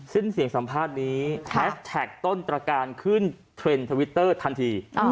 สิ้นเสียงสัมภาษณ์นี้แฮชแท็กต้นตรการขึ้นเทรนด์ทวิตเตอร์ทันที